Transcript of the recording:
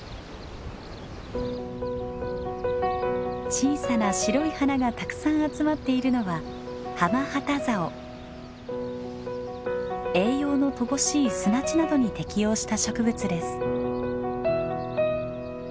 小さな白い花がたくさん集まっているのは栄養の乏しい砂地などに適応した植物です。